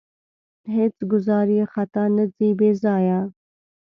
هېڅ ګوزار یې خطا نه ځي بې ځایه.